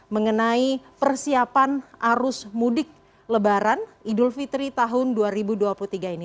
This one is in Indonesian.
mengenai persiapan arus mudik lebaran idul fitri tahun dua ribu dua puluh tiga ini